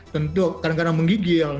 tentu kadang kadang menggigil